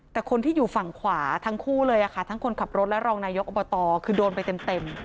แต่คนที่อยู่ฝั่งขวาทั้งคู่เลยค่ะทั้งคนขับรถและรองนายกอบตคือโดนไปเต็ม